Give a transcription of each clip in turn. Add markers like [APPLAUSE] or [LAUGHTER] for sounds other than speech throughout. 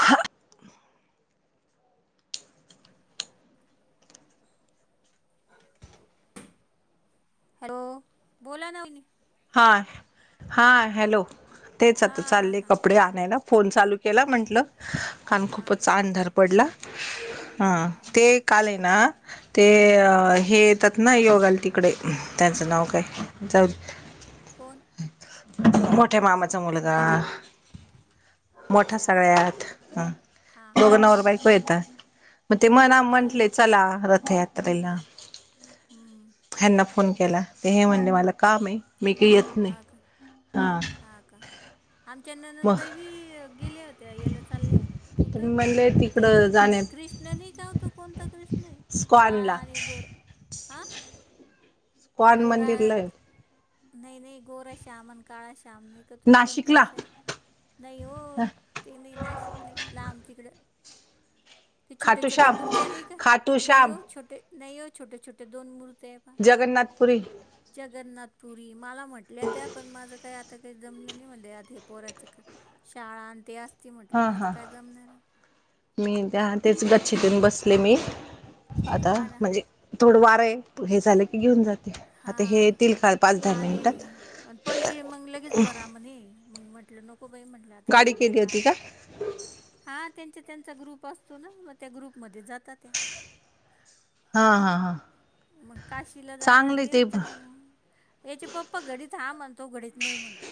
ह हॅलो बोला ना म हा हा हॅलो तेच आता हां हां चालले हां कपडे आणाय ना फोन चालू केला म्हटलं आणिण हां हां खूपच अंधार पडला ह हां हां ते हां काल आहे ना ते हां अ हे येतात ना योगाल तिकडे त्यांचं नाव काय जाऊ फोन मोठ्या मामाचा मुलगा बायका मोठ्या अच्छा सगळ्या हां आहत हां हां हां दोघं हां नवर बायको येतात मग ते हो मना का म्हटले चला रथयात्रेला हां ह्यांना फोन केला ते हे म्हणले मला काम आहे मी काही येत नाही हां हा का आमच्या ननंदबाई बी गेल्या होत्या याला चालल्याय मी कुठं म्हणले ते तिकडं जाण्यात कृष्ण नाही का होतो कोणता कृष्ण काळा स्कॉनला आणि गोर हां कोण मंदिर लय नाही नाही गोर श्यामन काळा श्याम नाही का तो पण त नाशिकला अशा नाही हो ते नाही नाशिक नाही लांब तिकडं ते छोटे छोटे खाटूश्याम मूर्ती आणि का नाही खाटूश्याम हो छोटे नाही हो छोटे छोटे दोन मूर्ती जगन्नाथपुरी जगन्नाथपुरी मला म्हटल्या त्या पण माझं काय आता आता काही जमलं नाही म्हण आधी पोर्यात शाळा आणतीी असती म्हटलं हा म आता हा काय जमणार आहे मी त्या तेच गच्छतून बसले मी आता हा ना म्हणजे थोडं वार आहे हे झालं की घेऊन जात हा आणि मिनिटात पैसे मंग ल केच बरा म्हणे मग म्हंटलं नको बाई म्हटलं आता गाडी केली सध्याला होती का हा त्यांचा त्यांचा ग्रुप असतो ना मग त्या ग्रुपमध्ये जातात त्या हा हा हा मग काशीला जाणार चांगली ते आहे तर नाही मग याचे पप्पा घडीत हा म्हणतो घडीत नाही म्हणतो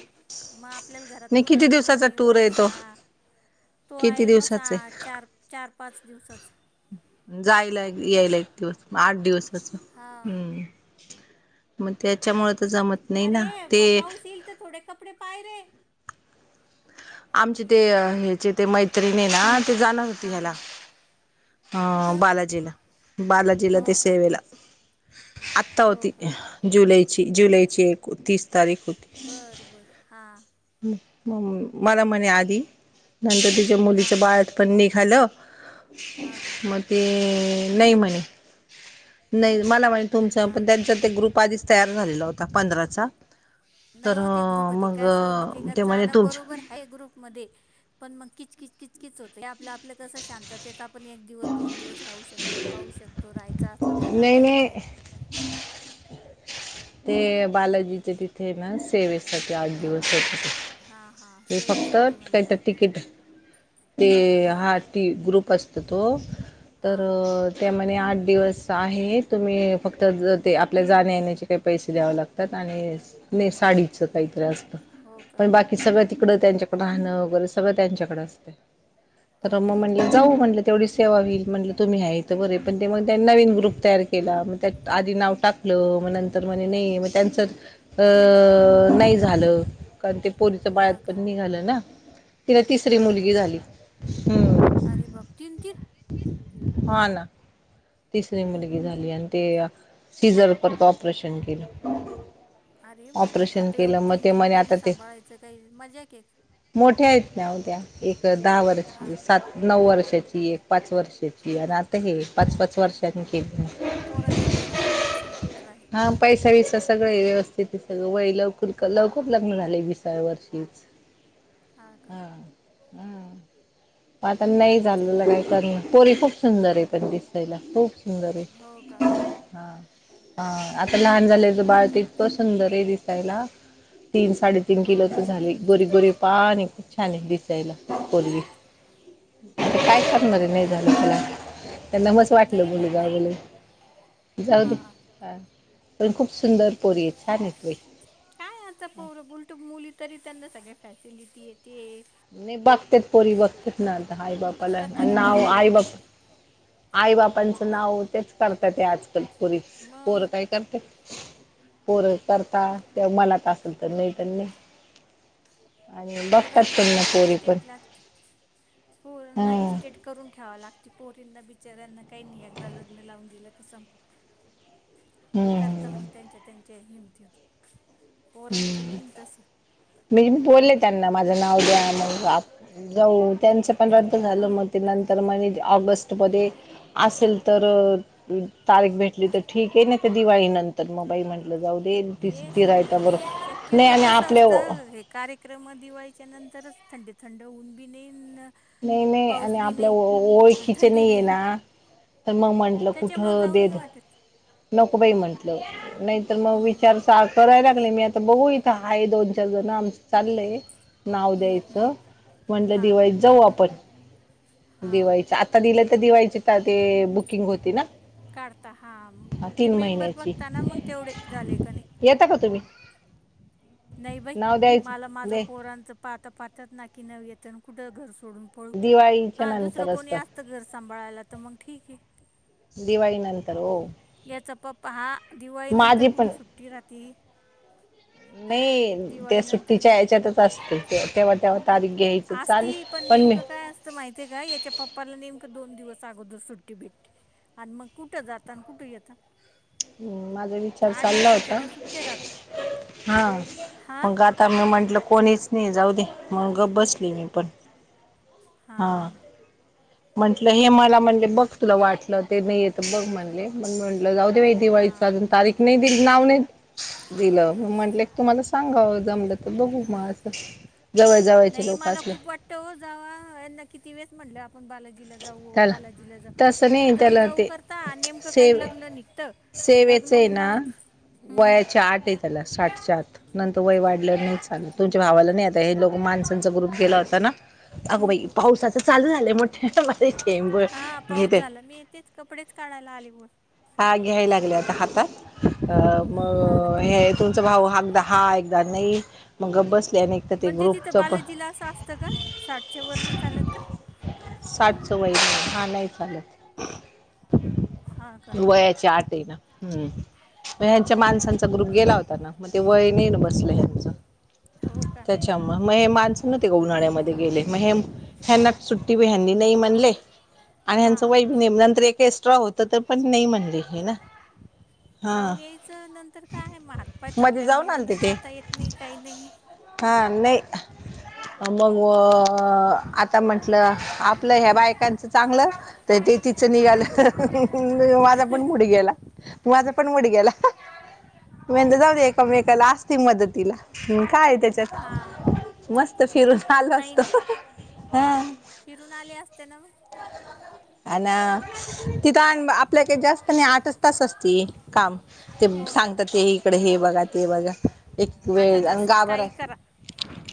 मग आपल्याला घरात कोणी किती नाही दिवसाचा म्हणे टूर माझी आहे तो शाळा तो किती आहे मसा दिवसाच चार चार पाच दिवसात जायला यायला एक दिवस आठ दिवसाच हा हम्म मग त्याच्यामुळे तर जमत नाही ना अरे ते पाऊस येईल तर थोडे कपडे पाय रे आमचे ते ह्याचे ते मैत्रिणी आहे ना ते जाणार होती हां ह्याला हां ह कुठं बालाजीला बालाजीला ते हो का सेवेला आत्ता हो होती का जुलैची जुलैची एक तीस तारीख होती बर बर हा मला म्हणे आधी नंतर तिच्या हां मुलीच्या बाळ्यात पण निघालं हां का म ते नाही म्हणे नाही मला मा तुमचं हां पण का त्यांचा ते ग्रुप आधीच तयार झालेला होता पंधराचा तर मग ते म्हणे जाण तुमच्या बरोबर आहे ग्रुप मध्ये पण मग किचकिच किच होते आप आपलं कस शांततेत आपण एक दिवस, दोन दिवस, राहू शकतो पाहू शकतो रा असलं तर नाही राहता नाही येतं. ते बालाजीचे तिथे ना सेवे ते आठ दिवस हो हां हां ते फक्त सेवेसाठी काहीत म्हणताय का तिकीट ते हां हा का टी ग्रुप असतो तो तर हां हां ते म्हणे आठ दिवस आहे तुम्ही फक्त ज ते आपल्या जाण येण्याचे पैसे द्यावे लागतात आणि साडीच काहीतरी असत हो का पण की सगळं तिकडं त्यांच्याकडं राहणं वगैरे सगळं त्यांच्याकडें असते तर हो म का म्हणजे जाऊ म्हटलं तेवढी सेवा होईल म्हटलं तुम्ही हयं बरे पण ते मग त्या त्यांनी नवीन ग्रुप तयार केला. त्या आधी नाव टाकलं मग नंतर म्हणे नाही मग त्यांचं अ नाही झालं कारण ते पोरीच हां का बाळतपण निघालं ना तिला तिसरी हां हां मुलगी हां झाली हम्म. अरे बघ तीन, तीन हा ना, तिसरी मुलगी झाली आणि ते सीझर परत ऑपरेशन केलं. अरे बापरे ऑपरेशन आता केलं एवढी मग तीन ते तीन म्हणे पोरी आता ते सांभाळायचं काही मजाक आहे का. मोठ्या आहेत ना उद्या एक दहा वर्ष हां सात नऊ वर्षाची, एक पाच वर्षाची, आणि आता हे पाच पाच वर्षांनी केली पोरा करता चालला असेल ट्राय हा पैसा विसा सगळ व्यवस्थित सगळं वय लवकर लवकर लग्न झाले विसाव्या वर्षीच हां ह का हा आता लई झाल. त्याच्यामुळं पण पोरी खूप सुंदर आहे पण दिसायला खूप सुंदर हो का आहे हा हा आता लहान झालेलं बाळ तर इतकं सुंदर आहे दिसायला तीन साडे तीन हो किलो का तर झाली गोरी गोरी पान आहे खूप छान आहे दिसायला हो का पोरगी. आता काय करणारे नाही झालं त्याला त्यांना मस वाटल नाही ना मुलगा होईल. बरोबर जाऊ दे हां ह पण खूप सुंदर पोरी येत. छान आहे. काय आता पोर उलट मुली तरी त्यांना सगळ्या फॅसिलिटी येते. नाही बघते पोरी बघत ना आता आई बापाला बघता तरी नाव पोरी आई बाप आई बापांचं नाव तेच करतात आजकाल पोरी पोर मग काय करते. पोर करता ते मनात असेल तर नाही तर नाही. आणि बघतात पण ना न पोरी पण स्टेट लागते पोर नाई हम्म स्टेट करून ठेवा लागती पोरींना बिचऱ्यांना काही नाही एकदा लग्न लावून दिलं का संपलं करता हम्म मग त्यांच्या त्यांच्या हिमतीवर पोरांचं नही ना तस. म्हणजे मी बोलले त्यांना माझं नाव द्या मग जाऊ त्यांच पंधरात पण झालं हां मग ते नंतर मही ऑगस्टमध्ये असेल तर तारीख भेटली तर ठीक आहे ना ते दिवाळी नंतर मग बाई म्हण जाऊ दे हे संद [UNINTELLIGIBLE] नाही शक्यतो आणि कस आपल्या ओ- असतं. हे कार्यक्रम दिवाळीच्या नंतरच थंडी थंड ऊन बी नई न नाही नाही पाऊस आणि बी आपल्या नाही ओ आणि ओळखीचे थंडी नाही बी ये ना तर मग म्हण आपलं कुठ त्याच्यामुळं जाऊ नाही देद वाटत नको बाई म्हंटलं नाही तर मग हं, विचार सा कराय लागले मी आता बघू इथं आहे दोन चार जण आमचं चाललंय नाव हं, द्यायचं म्हटलं दिवाळीत पाहू आपण दिवाळीच आता दिलं तर दिवाळीचे तर ते बुकिंग होती ना काढता हाम हा, ते तीन मेंबर महिन्याची बघताना मग तेवढे झाले का नई येता का तुम्ही? नई बई नाव मला द्यायचं माझं दे पोरांचं पाहता पाहता च नाकीनव येतन कुढ घर सोडून पळू दिवाळीच्या हां दुसरं नंतर कोणी असतं घर सांभाळायला तर मग ठीके दिवाळी नंतर हो याचा पप्पा हा दिवाळीनंतर माझी पण कुठं सुट्टी राहती नाही ते सुट्टीच्या याच्यातच असतंय ते तेव्हा ते तारीख घ्यायचं चालेल असती पण मी नेमकं का माहितीय का याच्या पप्पाला नेमकं दोन दिवस अगोदर सुट्टी भेटी अन मग कुठं जाता न कुठं येता हम्म माझा ते विचार आठ चालला दिवसात होता त्याच्या सुट्ट्या राहता हा हां मग आत काय मी म्हंटल कोणीच नाही जाऊ दे मग गप बसली मी पण हां म्हंटले हे मला म्हणले बघ तुला वाटलं ते नाही येत बघ म्हणले मग म्हटलं जाऊदे बाई दिवाळीच हां अजून तारीख नाही दिलं नाव नाही दिलं मी म्हंटले की तुम्हालाच सांगाव जमलं तर बघु मग असं जवळजवळचे लोक असलं त्यव जवा यांना किती वेळेस म्हणलं आपुण बालाजी जीला जाऊ त्याला बालाजीला जाऊ तसं आता नाही जाऊ त्याला जाऊ ते करता नेमकं काही सेवे लग्न निघत लग्न उन्हाळ्यात हं, वयाची आट ये त्याला साठच्या आत नंतर वय वाढल्यावर नाही चालतं तुमच्या भावाला नाही आता हे लोक माणसांचा ग्रुप गेला होता ना अगं हं, बाई हं. पावसाचं चालू झालंय मोठेे मोठे थेंब हा पाऊस घेते झाला मी तेच कपडेच काढायला आले वर हा घ्याय लागले आता हातात अ हा ना मग हे तुमचा भाऊ हागदा हा एकदा नई मग गप बसले आणि एक तर ते ग्रुपचं पण च का साठच्या वर नाही चालत का? साठचं वय नाही हां नाही चालत हा का वयाची आटय ना हम्म म ह्यांच्या माणसांचा ग्रुप गेला होता ना मग ते वय नाही ना बसलं ह्यांच हो का? त्याच्यामुळ मग हे माणसं नव्हती का उन्हाळ्यामध्ये गेले मग हे ह्यांना सुट्टी ह्यानी नाही म्हणले आणि हां नंतर एक एक्स्ट्रा होत तर पण नाही म्हणली हे ना हा जाऊन यायचं नंतर काय म हातपाय मध्ये थकल्या जाऊन मुळ आलते ते जाता येत नाही काही नाही हा नाही मग आता म्हंटलं. आपलं ह्या बायकांचं चांगलं तर ते तिचं निघालं हां माझा पण मुड गेला माझा पण मुड गेला. ते म्हणले जाऊदे एकामेकाला असती मदतीला उन काय तेज्या हां चेत मस्त फिरून आलो नाही असतो ना हां फिरून आले असते ना मग आना. तिथं आण आपल्या काही जास्त नाही आठच तास असती काम ते हो का सांगतात ते इकडे हे बघा ते बघा एक आठ वेळ आणि तासात गाभाराय काही करा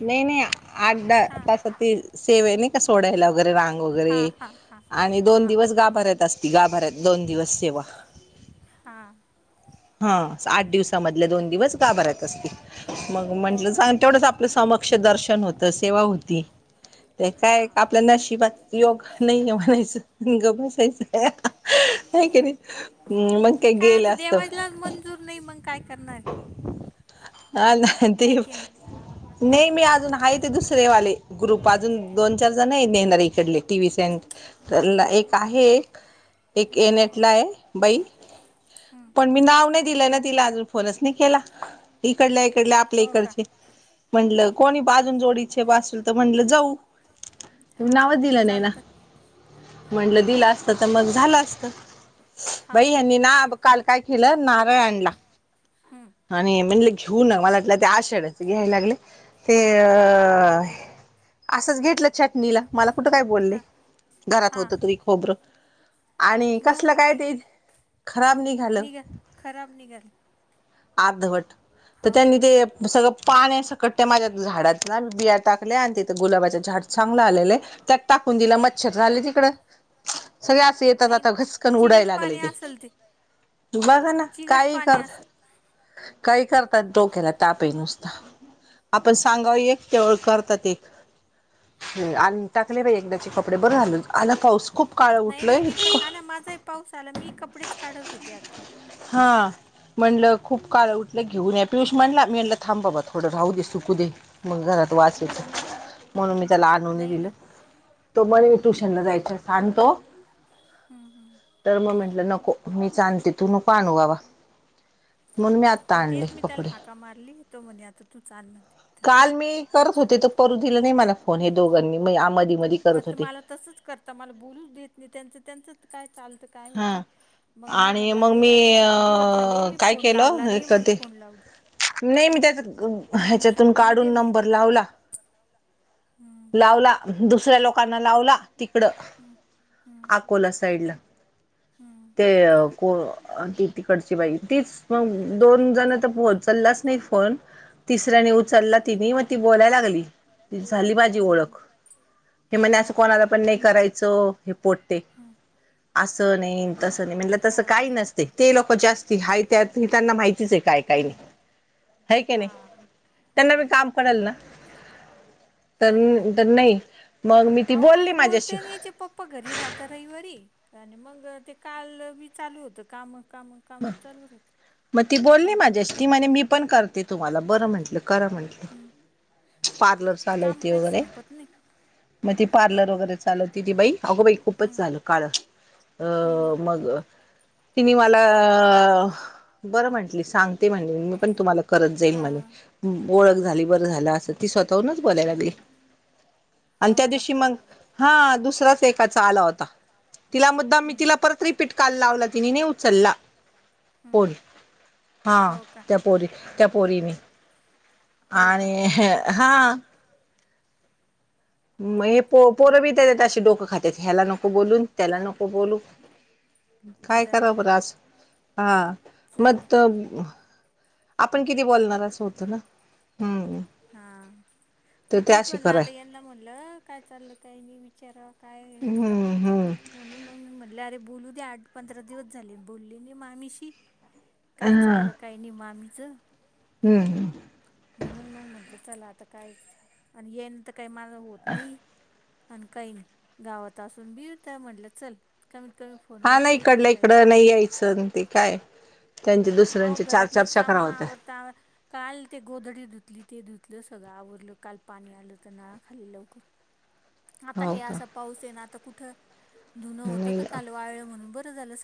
नाही नाही आठ द हां तास त सेव आहे नाही का सोडायला वगैरे रांग वगेरे हां हां हां आणि दोन हां दिवस गाभाऱ्यात असती गाभऱ्यात दोन दिवस सेवा हा हा आठ दिवसामधले दोन दिवस गाभार्‍यात असतील मग हो म्हंटलं का सांग तेवढंच आपल समक्ष दर्शन होतं सेवा होती ते हां काय ना नशीबात योग नाही म्हणायच आणि गप्प बसायचं नाही क नाही् मग काही गेले असत तूब नाही मग काय करणार? हा का ते आहे की नाही नाही मी अजून आहे ते दुसरे वाले ग्रुप अजून दोन- चारजण नेणारे इकडले टी व्ही सेंटरला एक आहे एक. एक हां एनेटलाय. बाई, हं. पण मी नाव नाही दिलं ना तिला अजून फोनच नाही केला. इकडल्या -इकडल्या आपल्या हो का इकडचे. म्हटलं कोणी बाजून जोडीचे असल तर म्हटलं जाऊ. तुम्ही हां नावच दिलं नाही ना. चालतं म्हटलं दिलं असत तर मग झालं असत हां बाई हां ह्यांनी ना काल काय केलं, नारळ आणला. हं. आणि म्हटल घेऊ ना मला वाटल त्या आषाढ्याच घ्यायला लागले ते अ असंच घेतलं चटणीला मला कुठं काय बोलले, हां घरात हां होत तरी खोबरं. आणि मग कसलं काय ते खराब निघालं. निघा खराब निघाल. अर्धवट, तर का त्यांनी ते सगळं पाण्या सकट माझ्या झाडात ना बिया टाकल्या, आणि तिथं गुलाबाचे झाड चांगलं आलेलय. त्यात टाकून दिल्या, मच्छर झालत हिकडं. सगळे अस येता नाही जाता घसकण चिकट उडायला लागलय पाणी ते. असेल बघा ना चिकट काही पाणी करत्यात. असेल काही करतात डोक्याला ताप आहे नुसता. आपण सांगाव एक त्यावर करतात एक. आणून टाकले बाई एकदाचे कपडे बर झाल आला पाऊस. खूप काळ नाही ना उठलंय मी पण इतकं हा ना माझाही पाऊस आला मी कपडेच काढत होते आता हां म्हणलं खूप काळ उठलं घेऊन या पियुष म्हणला, मी म्हणलं थांब बाबा थोडं राहू दे सुकू दे. मग घरात वास येतो, म्हणून मी त्याला आणू नाही दिलं. तो म्हणे ट्युशनला जायच सांगतो. हं, हं. तर मग म्हंटलं नको मीच आणते तु नको आणू बाबा म्हणून मी आत्ता आणले तेच मी त्याला कपडे. हाका मारली तो म्हणे आता तूच आन म्हणते. काल मी करत होते तर परू दिलं नाही मला फोन हे दोघांनी म आ [UNINTELLIGIBLE] मग मला तसच करता मला बोलूच देत नाही त्यांच त्यांच काय चालतं काय हा माहिती मग मी आणि म्हटलं मग अरे मी आता अ किती दिवस झाले मी काय फोन केलं लावला हे नाही मला कधी फोन लावू देत. नाही मी त्याच -ह्याच्यातून बोलू दे काढून नंबर म्हणलं लावला. हम्म लावला दुसऱ्या लोकांना लावला तिकडं. हम्म हम्म आकोला साईडला. हम्म ते को ती तिकडची बाई तीच. मग दोनजण तर ऊचललाच नाही फोन. तिसऱ्याने उचलला तिनी, मग ती बोलायला लागली तिची झाली माझी हम्म ओळख. हे म्हणे हो असं का कोणाला पण नाही करायचं हे पोट्टे. हम्म च नय. [UNINTELLIGIBLE] तसं नाही म्हणलं तसं काही हां नसते, ते लोक जास्ती हाय त्यात त्यांना माहितीच आहे काय -काय नाही. आहे की नाही हां त्यांना मी हां काम करल ना. मग काय तर- तर नाही मग मी ती बोल्ली माझ्याशी. आप्पा घरी राहता रविवारी आणि मग ते काल बी चालू होतं काम- काम. कामच चालू राहत. मग ती बोलली माझ्याशी ती म्हणे मी पण करते तुम्हाला बरं म्हंटलं करा म्हंटलं. हम्म पार्लर काम चालवती काही वगैरे. संपत नाही मग ती पार्लर वगैरे चालवती ती बाई, अगोबाई खूपच हम्म झाल काळ. अं हम्म मग तिने मला.... बरं म्हटली सांगते म्हटले, मी पण तुम्हाला करत जाईन म्हणे. हां ओळख झाली बरं झाल, असं ती स्वतःहूनच बोलायला लागली. आणि हो त्या का दिवशी मग हा दुसराच एकाचा आला होता. तिला मुद्दाम मी तिला हम्म परत रिपीट काल लावला, तिनी नाही उ उचला फोन पोरी हम्म हा, हो का त्या पोरी त्या पोरीने. हो आणि का हे हा. मग हे पो -पोरं बी त्या अशी डोकं खात्यात ह्याला नको बोलून त्याला नको बोलू. काय जाऊ करा दे बरं आज हा जाऊ मग दे त आपण किती बोलणार अस होत, ना हम्म! हा. तर मी ते तेच अशी म्हणलं, कराय आता यांना म्हणलं काय चालल काय नाही विचार काय हम्म गप? हम्म म्हणून मग मी म्हटले, अरे बोलू दे आठ पंधरा दिवस झाले बोलली नाही मामी शी. काय हा चाललं, काही नाही मामीचं. हम्म! म्हणून मग म्हटलं चला, आता काय च आणि येन त काही माझ होत नाही. आणि काही नाही गावात असून मिळतयं म्हटलं चल. कमीत कमी फोन हा नाही इकडलं इकडं नाही, यायचं ते काय? त्यांचे अहो! दुसऱ्यांचे चार घरातलेच चर्चा काम कराव होत्या आवरता काल ते गोधडी धुतली ते धुतलं सगळं आवरलं काल पाणी आलं तर नळा खाली लवकर. [INAUDIBLE] आता हे का असा पाऊस येणार, तर कुठं धुनं होतं का नाही काल वाळल म्हणून बरं झालं.